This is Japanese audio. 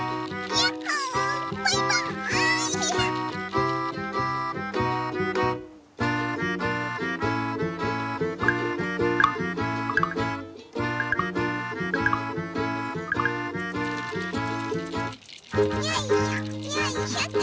よいしょと。